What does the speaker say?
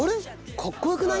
かっこよくない？